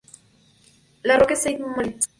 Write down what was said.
La Roque-Sainte-Marguerite